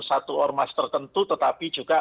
satu ormas tertentu tetapi juga